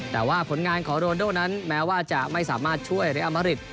แต่ว่าผลงานของโรนโดนั้นแม้ว่าจะไม่สามารถช่วยเรอมริต